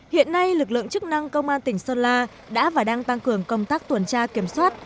hiện nay lực lượng chức năng công an tỉnh sơn la đã và đang tăng cường công tác tuần tra kiểm soát